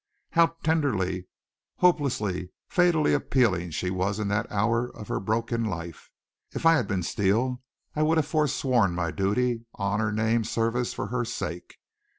How tenderly, hopelessly, fatally appealing she was in that hour of her broken life! If I had been Steele I would have forsworn my duty, honor, name, service for her sake.